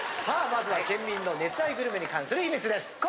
さあまずは県民の熱愛グルメに関する秘密です。